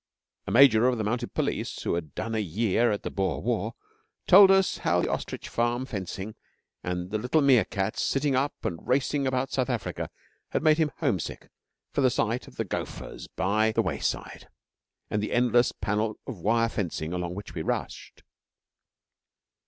A Major of the Mounted Police, who had done a year at the (Boer) war, told us how the ostrich farm fencing and the little meercats sitting up and racing about South Africa had made him homesick for the sight of the gophers by the wayside, and the endless panels of wire fencing along which we rushed.